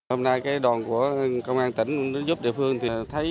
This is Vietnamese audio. hôm nay cái đòn của công an tỉnh giúp địa phương thì thấy